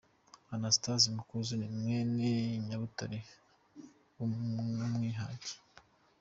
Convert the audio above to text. Anastase Makuza ni mwene Nyabutare w’umwihage.